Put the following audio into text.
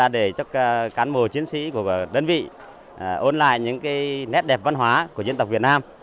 để cho cán bộ chiến sĩ của đơn vị ôn lại những nét đẹp văn hóa của dân tộc việt nam